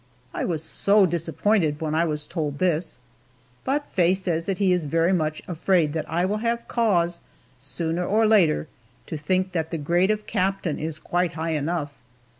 I was so disappointed when I was told this, but Faye says that he is very much afraid that I will have cause, sooner or later, to think that the grade of captain is quite high enough.